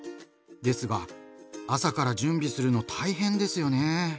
ですが朝から準備するの大変ですよね。